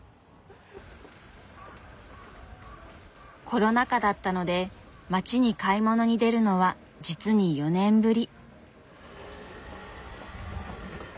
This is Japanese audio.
コロナ禍だったので街に買い物に出るのは実に４年ぶり。